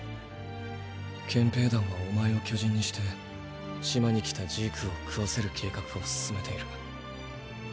憲兵団はお前を巨人にして島に来たジークを食わせる計画を進めている。